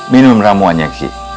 minum ramuannya ki